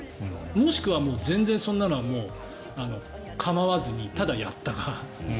もしくは全然、そんなのはもう構わずにただやったと。